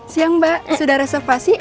siang mbak sudah reservasi